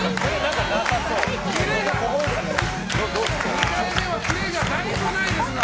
２回目はキレがだいぶないですが。